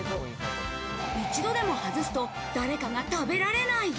一度でも外すと、誰かが食べられない。